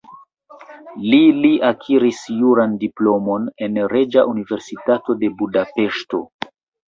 Li li akiris juran diplomon en Reĝa Universitato de Budapeŝto.